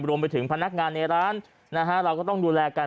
พนักงานในร้านนะฮะเราก็ต้องดูแลกัน